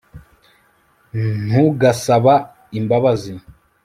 ntugasaba imbabazi